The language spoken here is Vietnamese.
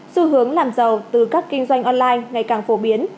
xu hướng làm giàu từ các kinh doanh online ngày càng phổ biến